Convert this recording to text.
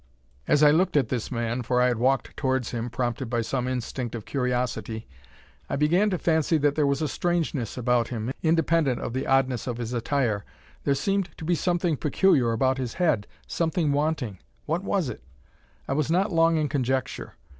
As I looked at this man (for I had walked towards him, prompted by some instinct of curiosity), I began to fancy that there was a strangeness about him, independent of the oddness of his attire. There seemed to be something peculiar about his head, something wanting. What was it? I was not long in conjecture.